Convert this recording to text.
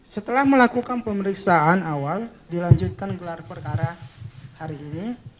setelah melakukan pemeriksaan awal dilanjutkan gelar perkara hari ini